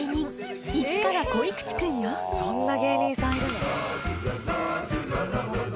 そんな芸人さんいるの？